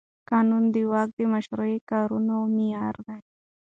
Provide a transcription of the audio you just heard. قانون د واک د مشروع کارونې معیار دی.